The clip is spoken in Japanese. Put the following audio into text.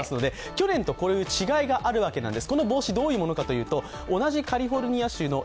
去年と違いがあるわけなんです。